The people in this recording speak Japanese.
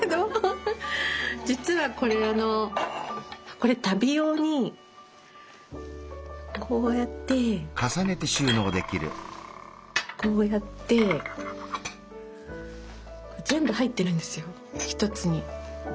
実はこれ旅用にこうやってこうやって全部入ってるんですよ一つに。